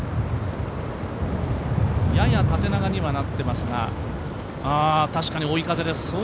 やや縦長にはなっていますが、確かに追い風です。